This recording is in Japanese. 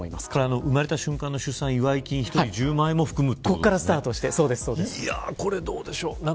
生まれた瞬間の祝い金、１人１０万円も含むということですか。